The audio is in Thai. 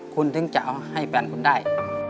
คุณถึงจะให้แปลงคุณได้